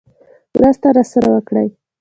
مرسته راسره وکړي.